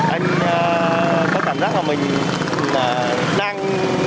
anh có cảm giác mà mình đang